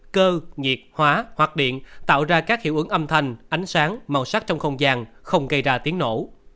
cơ nhiệt hóa hoặc điện tạo ra các hiệu ứng âm thanh ánh sáng màu sắc trong không gian không gây ra tiếng nổ